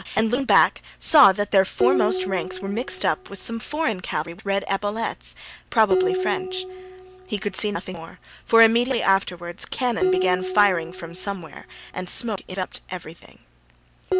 and looking back saw that their foremost ranks were mixed up with some foreign cavalry with red epaulets, probably French. He could see nothing more, for immediately afterwards cannon began firing from somewhere and smoke enveloped everything.